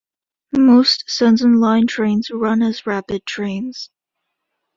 Most Senzan Line trains run as rapid trains.